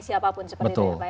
siapapun seperti itu ya pak ya